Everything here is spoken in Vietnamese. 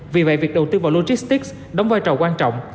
vì vậy việc đầu tư vào logistics đóng vai trò quan trọng